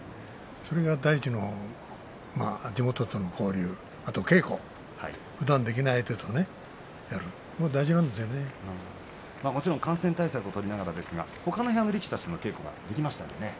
それが第１の地元との交流、それから稽古、ふだんできない相手とやる感染対策を取りながらですけれど他の部屋の力士たちともできましたよね。